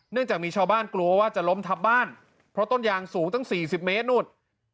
จากมีชาวบ้านกลัวว่าจะล้มทับบ้านเพราะต้นยางสูงตั้ง๔๐เมตรนู่น